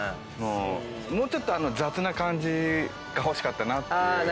もうちょっと雑な感じが欲しかったなっていう。